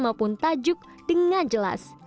maupun tajuk dengan jelas